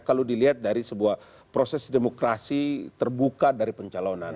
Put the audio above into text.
kalau dilihat dari sebuah proses demokrasi terbuka dari pencalonan